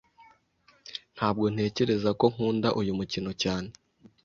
Ntabwo ntekereza ko nkunda uyu mukino cyane.